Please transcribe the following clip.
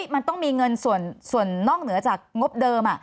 มันต้องมีเงินส่วนนอกเหนือจากงบเดิม